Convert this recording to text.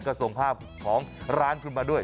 ก็ส่งภาพของร้านขึ้นมาด้วย